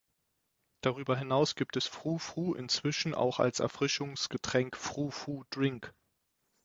Darüber hinaus gibt es Fru Fru inzwischen auch als Erfrischungsgetränk "fru fru Drink".